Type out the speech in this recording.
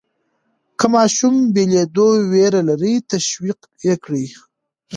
که ماشوم بېلېدو وېره لري، تشویق یې کړئ.